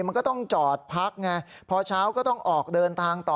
มันก็ต้องจอดพักไงพอเช้าก็ต้องออกเดินทางต่อ